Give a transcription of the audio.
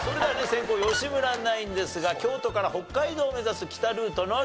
先攻吉村ナインですが京都から北海道を目指す北ルートの挑戦です。